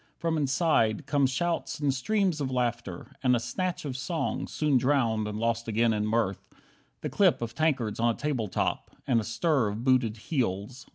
From inside Come shouts and streams of laughter, and a snatch Of song, soon drowned and lost again in mirth, The clip of tankards on a table top, And stir of booted heels.